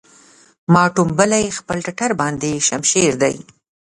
ما ټومبلی خپل ټټر باندې شمشېر دی